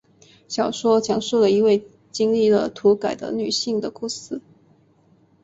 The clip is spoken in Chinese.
小说讲述了一位经历了土改的女性的故事。